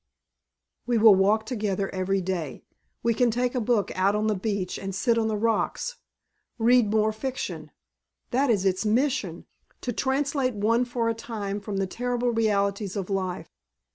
"We will walk together every day. We can take a book out on the beach and sit on the rocks. Read more fiction. That is its mission to translate one for a time from the terrible realities of life.